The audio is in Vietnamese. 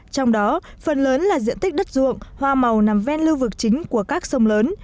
trong đó phần lớn là diện tích đất ruộng hoa màu nằm ven lưu vực chính của các sông lớn